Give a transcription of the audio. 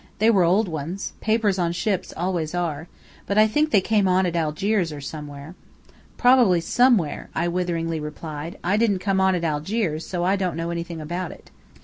They were old ones. Papers on ships always are. But I think they came on at Algiers or somewhere." "Probably 'somewhere,'" I witheringly replied. "I didn't come on at Algiers, so I don't know anything about it."